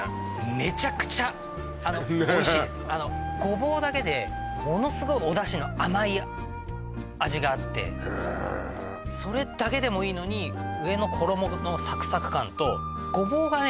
メチャクチャおいしいですごぼうだけでものすごいおダシの甘い味があってそれだけでもいいのに上の衣のサクサク感とごぼうがね